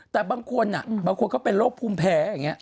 แต่บางคนบางคนก็เป็นโรคภูมิแพ้อย่างนี้